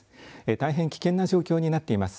大変危険な状況になっています。